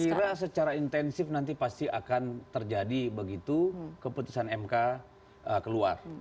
saya kira secara intensif nanti pasti akan terjadi begitu keputusan mk keluar